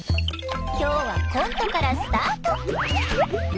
今日はコントからスタート！